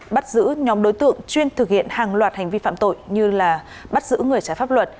bắt giữ nhóm đối tượng chuyên thực hiện hàng loạt hành vi phạm tội như là bắt giữ người trái pháp luật